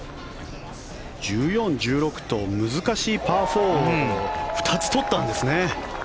１４、１６と難しいパー４を２つ取ったんですね。